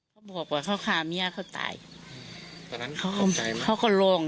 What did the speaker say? ผมพูดว่าเขาฆ่าแม่เขาตายก็นั้นเขาก็เลิกเขาก็โล่ง